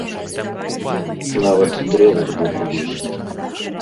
Нават дрэва збоку ёсць.